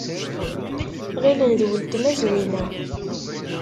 Ɣilen d uletma Zwina.